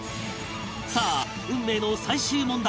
さあ運命の最終問題